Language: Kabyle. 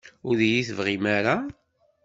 Ur d-iyi-tebɣim ara?